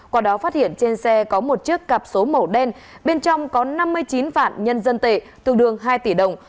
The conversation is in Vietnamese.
qua đó phát hiện trên xe có một chiếc cặp số màu đen bên trong có năm mươi chín vạn nhân dân tệ tương đương hai tỷ đồng